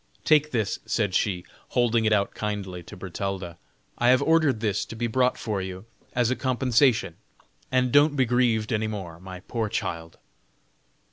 "Take this," said she, holding it out kindly to Bertalda; "I have ordered this to be brought for you as a compensation, and don't be grieved any more, my poor child."